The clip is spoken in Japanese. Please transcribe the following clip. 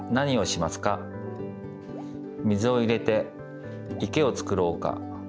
水を入れて池をつくろうか。